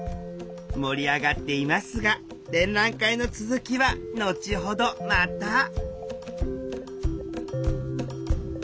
盛り上がっていますが展覧会の続きは後ほどまた！